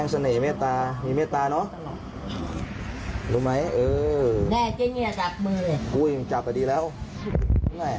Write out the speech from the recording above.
ขับไหวให้กูให้ทำพันเถอะ